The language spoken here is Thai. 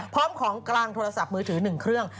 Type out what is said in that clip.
พร้อมของกลางโทรศัพท์มือถือ๑เครื่อง